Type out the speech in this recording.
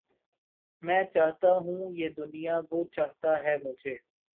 میں چاہتا ہوں یہ دنیا وہ چاہتا ہے مجھے